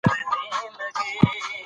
رسوب د افغان ځوانانو لپاره دلچسپي لري.